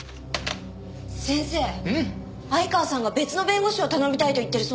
先生相川さんが別の弁護士を頼みたいと言ってるそうです。